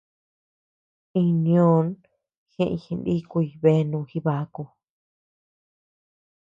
Iñ ñoʼon jeʼëñ jinikuy beanu Jibaku.